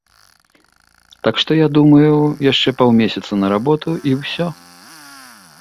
Так што я думаю, яшчэ паўмесяцы на работу, і ўсё.